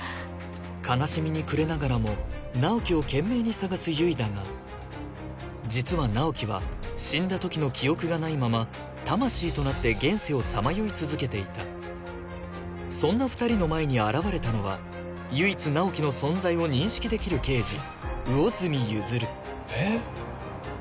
悲しみに暮れながらも直木を懸命に捜す悠依だが実は直木は死んだときの記憶がないまま魂となって現世をさまよい続けていたそんな２人の前に現れたのは唯一直木の存在を認識できる刑事魚住譲えっ？